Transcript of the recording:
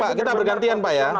pak kita bergantian pak ya